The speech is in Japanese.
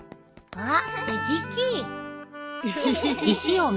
あっ！